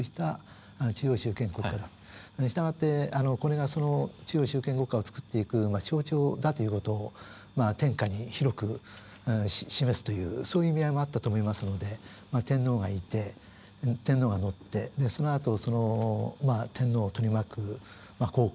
したがってこれがその中央集権国家をつくっていく象徴だという事を天下に広く示すというそういう意味合いもあったと思いますので天皇がいてで更にそのあとっていうなるほど。